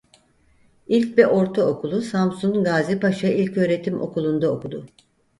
İlk ve ortaokulu Samsun Gazipaşa İlköğretim Okulunda okudu.